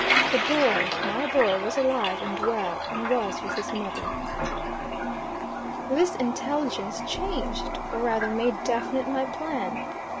The boy my boy was alive and well, and was with his mother. This intelligence changed, or rather made definite my plan.